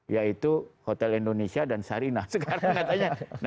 yaitu hotel indonesia dan sarina sekarang katanya